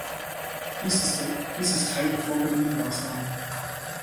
Dies ist Teil der vorbeugenden Maßnahmen.